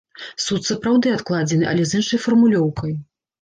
Суд сапраўды адкладзены, але з іншай фармулёўкай.